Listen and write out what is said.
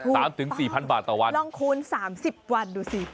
ตามถึง๔๐๐๐บาทต่อวันลองคูณ๓๐วันดูสิ